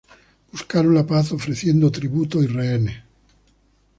Buscaron la paz ofreciendo tributo y rehenes.